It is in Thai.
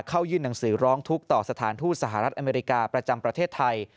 เข้ายื่นหนังสือร้องทุกข์ต่อสถานทูตสหรัฐอเมริกาประจำประเทศไทย